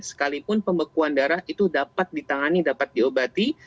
sekalipun pembekuan darah itu dapat ditangani dapat diobati